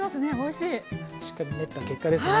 しっかり練った結果ですね。